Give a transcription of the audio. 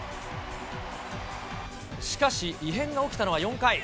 しかし、異変が起きたのは４回。